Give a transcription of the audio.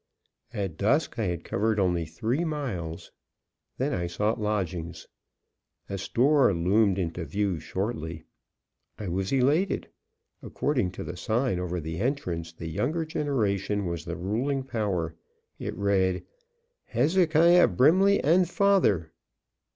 At dusk I had covered only three miles. Then I sought lodgings. A store loomed into view shortly; I was elated. According to the sign over the entrance, the younger generation was the ruling power. It read: "Hezekiah Brimley and Father."